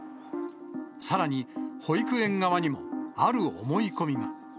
さらに、保育園側にもある思い込みが。